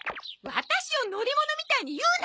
ワタシを乗り物みたいに言うな！